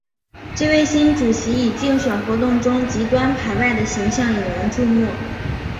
这位新主席以竞选活动中极端排外的形象引人注目。